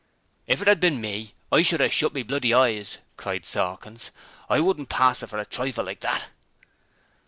'If it 'ad bin me, I should 'ave shut me bl y eyes,' cried Sawkins. 'I wouldn't pass it for a trifle like that.'